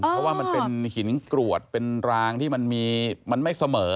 เพราะว่ามันเป็นหินกรวดเป็นรางที่มันไม่เสมอ